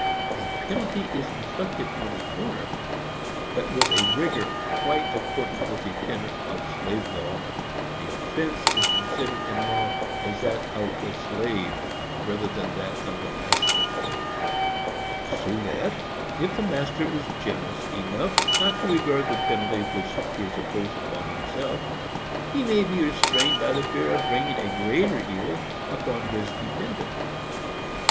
A penalty is inflicted on the owner, but, with a rigor quite accordant with the tenor of slave law the offence is considered, in law, as that of the slave, rather than that of the master; so that, if the master is generous enough not to regard the penalty which is imposed upon himself, he may be restrained by the fear of bringing a greater evil upon his dependent.